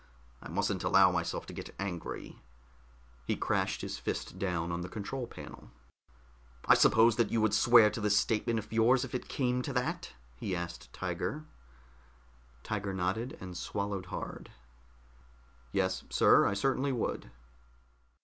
I mustn't allow myself to get angry " He crashed his fist down on the control panel. "I suppose that you would swear to this statement of yours if it came to that?" he asked Tiger. Tiger nodded and swallowed hard. "Yes, sir, I certainly would."